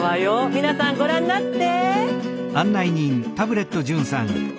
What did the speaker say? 皆さんご覧なって。